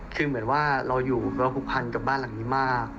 คือเหมือนว่าเราอยู่เราผูกพันกับบ้านหลังนี้มาก